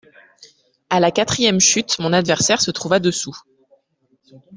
A la quatrième chute, mon adversaire se trouva dessous.